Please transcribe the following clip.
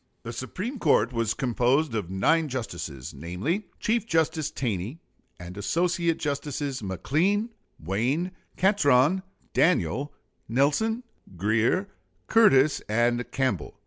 The Supreme Court was composed of nine justices; namely, Chief Justice Taney and Associate Justices McLean, Wayne, Catron, Daniel, Nelson, Grier, Curtis, and Campbell.